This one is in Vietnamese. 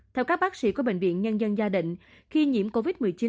theo các bác sĩ của bệnh viện nhân dân gia định khi nhiễm covid một mươi chín